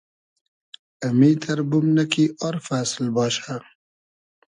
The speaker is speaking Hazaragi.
امیتئر بومنۂ کی آر فئسل باشہ